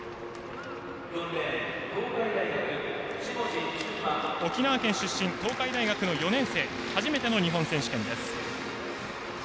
麻は、沖縄県出身東海大学の４年生初めての日本選手権です。